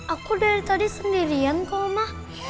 aku dari tadi sendirian kok mah